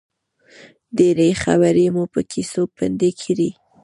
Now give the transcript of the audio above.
ډېرې خبرې مو په کیسو پنډې کړې.